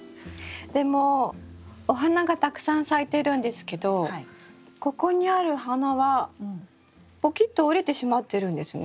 でもお花がたくさん咲いてるんですけどここにある花はポキッと折れてしまってるんですね。